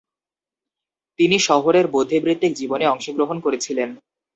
তিনি শহরের বুদ্ধিবৃত্তিক জীবনে অংশগ্রহণ করেছিল।